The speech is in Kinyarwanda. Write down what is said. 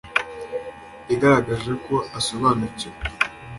yagaragaje ko asobanukiwe